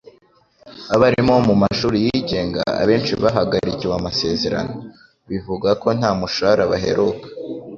Abarimu bo mu mashuri yigenga abenshi bahagarikiwe amasezerano, bivuga ko nta mushahara baheruka.